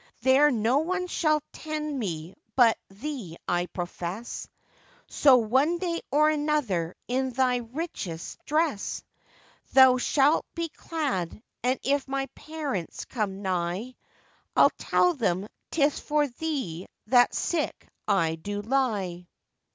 'There no one shall tend me but thee I profess; So one day or another in thy richest dress, Thou shalt be clad, and if my parents come nigh, I'll tell them 'tis for thee that sick I do lie.